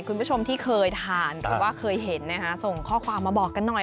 คุณผู้ชมที่เคยทานหรือว่าเคยเห็นนะฮะส่งข้อความมาบอกกันหน่อย